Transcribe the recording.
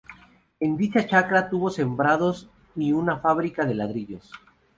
En dicha chacra tuvo sembrados y una fábrica de ladrillos.